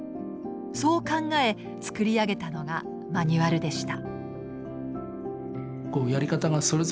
そう考え作り上げたのがマニュアルでした。